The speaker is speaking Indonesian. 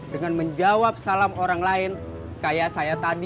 dengan menjawab salam orang lain kayak saya tadi